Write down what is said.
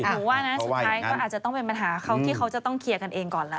หนูว่านะสุดท้ายก็อาจจะต้องเป็นปัญหาเขาที่เขาจะต้องเคลียร์กันเองก่อนแล้ว